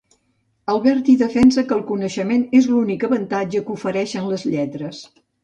Alberti defensa que el coneixement és l'únic avantatge que ofereixen les lletres.